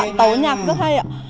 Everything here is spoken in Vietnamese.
đoạn tấu nhạc rất hay ạ